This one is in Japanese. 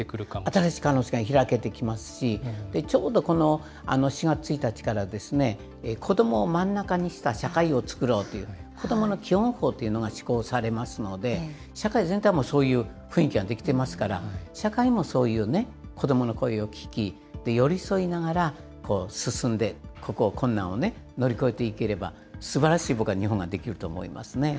新しい可能性が開けてきますし、ちょうどこの４月１日から、子どもを真ん中にした社会をつくろうという、子どもの基本法というのが施行されますので、社会全体もそういう雰囲気が出来ていますから、社会もそういうね、子どもの声を聞き、寄り添いながら進んで、ここを、困難を乗り越えていければ、すばらしい、僕は日本が出来ると思いますね。